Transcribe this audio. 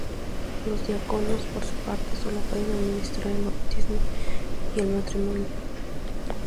Los diáconos por su parte sólo pueden administrar el bautismo y el matrimonio.